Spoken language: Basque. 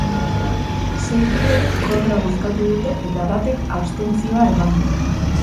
Sei kidek kontra bozkatu dute eta batek abstentzioa eman du.